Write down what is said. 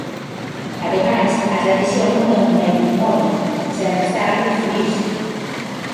Ademais a tradición non é un ben inmóbel, sempre está a redefinirse.